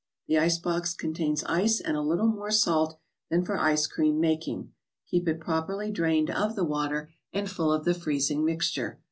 The ice box contains ice and a little more salt than for ice cream mak¬ ing. Keep it properly drained of the water, and full of the freezing mixture.